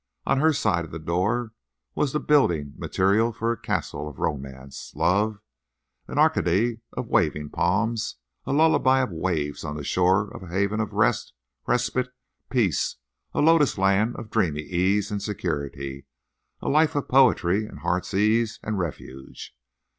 On her side of the door was the building material for a castle of Romance—love, an Arcady of waving palms, a lullaby of waves on the shore of a haven of rest, respite, peace, a lotus land of dreamy ease and security—a life of poetry and heart's ease and refuge.